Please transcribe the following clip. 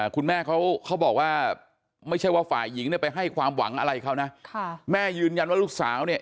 คุณแม่เขาบอกว่าไม่ใช่ว่าฝ่ายหญิงเนี่ยไปให้ความหวังอะไรเขานะแม่ยืนยันว่าลูกสาวเนี่ย